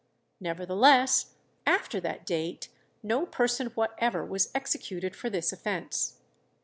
Nevertheless, after that date no person whatever was executed for this offence.